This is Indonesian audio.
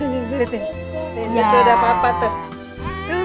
ini ada papa tuh